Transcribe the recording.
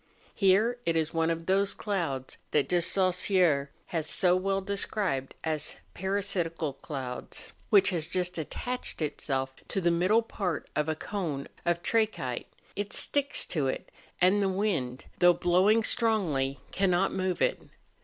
Here it is one of those clouds that He Saussure has so well described as parasitical clouds, which has just attached itself to the middle part of a cone of trachyte: it sticks to it; and the wind, though blowing strongly, cannot move it.